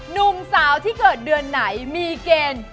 หนุ่มสาวที่เกิดเดือนไหนมีเกณฑ์